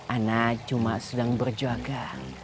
ana cuma sedang berjaga